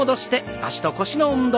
脚と腰の運動。